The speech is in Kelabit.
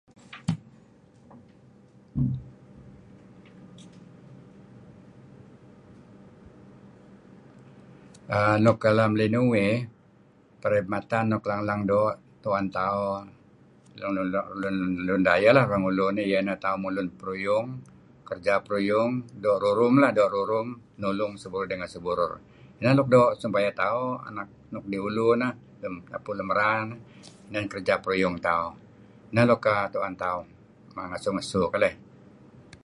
Aaa.. nuk lem linuh uih perkhidmatan nuk leng-leng doo tu'en tauh lun, lun dayeh lah, orang ulu inih ieh ineh mulun peruyung, kereja peruyung, doo' rurum lah, doo' rurum nulung seh burur ngen seh burur. Neh nuk doo' supaya tauh anak nuk di ulu ineh ataupun lun luk merar. Neh nuk tu'en tauh ngesu-ngesu keleyh.